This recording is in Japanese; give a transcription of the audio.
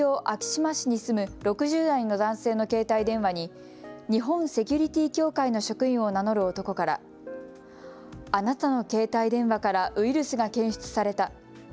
昭島市に住む６０代の男性の携帯電話に日本セキュリティー協会の職員を名乗る男からあなたの携帯電話からウイルスが検出された。